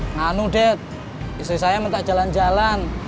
nganu deh istri saya minta jalan jalan